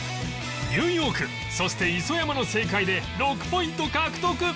ニューヨークそして磯山の正解で６ポイント獲得